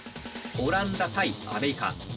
オランダ対アメリカ。